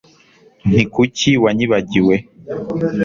nti kuki wanyibagiwe